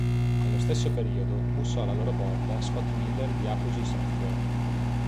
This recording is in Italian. Nello stesso periodo, bussò alla loro porta Scott Miller di Apogee Software.